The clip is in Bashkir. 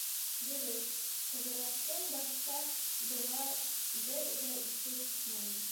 Дөрөҫ, Ҡыҙырастың башта быға бер ҙә иҫе китмәне.